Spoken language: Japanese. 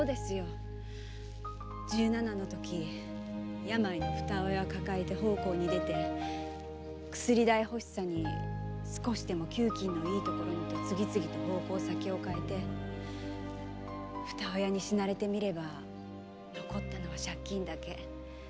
十七歳のとき病のふた親を抱えて奉公に出て薬代欲しさに少しでも給金のいいところにと次々と奉公先を変えてふた親に死なれてみれば残ったのは借金だけ。